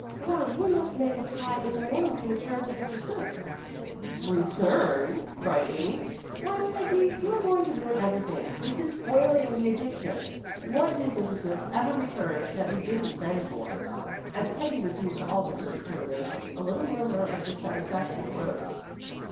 "Why, we must make a pie in the morning to return to Mrs. Snooks." "Return!" cried Amy. "Why, Peggy, you're going to ruin everything. This is 'spoiling the Egyptians.' What did Mrs. Snooks ever return that we didn't send for?" As Peggy refused to alter her determination, a little murmur of dissatisfaction arose.